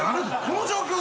この状況。